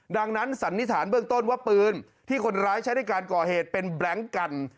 ดังนั้นสันนิษฐานเบื้องต้นว่าปืนที่คนร้ายใช้ในการก่อเหตุเป็นแบล็งกัน